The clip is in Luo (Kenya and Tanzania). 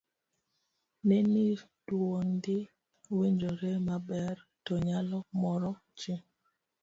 ne ni dwondi winjore maber to nyalo moro ji